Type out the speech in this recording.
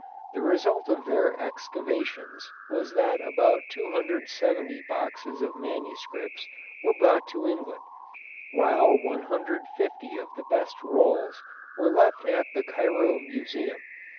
The result of their excavations was that about 270 boxes of manuscripts were brought to England, while 150 of the best rolls were left at the Cairo Museum.